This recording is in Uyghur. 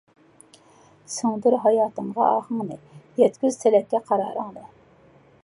سىڭدۈر ھاياتىڭغا ئاھىڭنى، يەتكۈز تىلەككە قارارىڭنى.